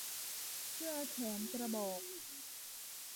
เสื้อแขนกระบอก